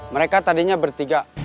mereka tadinya bertiga